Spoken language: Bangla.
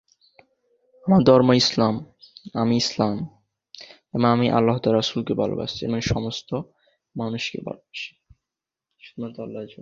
হিমু তার জন্যে পবিত্র মানুষ খুঁজে বেড়ায়।